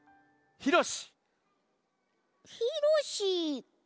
ひろし。